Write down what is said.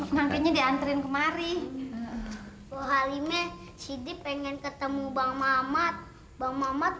makanya dianterin kemari halime sidiq pengen ketemu bang mamat bang mamat